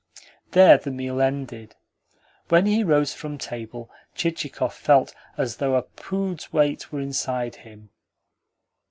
There the meal ended. When he rose from table Chichikov felt as though a pood's weight were inside him.